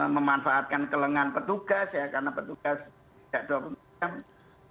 memanfaatkan kelenggan petugas ya karena petugas tidak doang